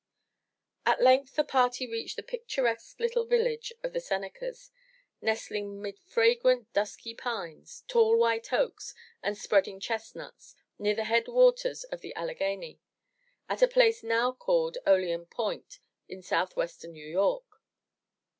At length the party reached the picturesque little village of the Senecas, nestling mid fragrant, dusky pines, tall white oaks and spreading chestnuts, near the head waters of the Alleghany, at a place now called Olean Point in southwestern New York.